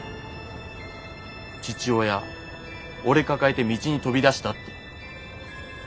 父親俺抱えて道に飛び出したって。